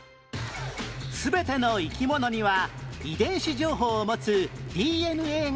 全ての生き物には遺伝子情報を持つ ＤＮＡ があります